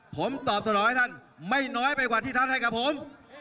ผมตอบสนองให้ท่านไม่น้อยไปกว่าที่ท่านให้กับผม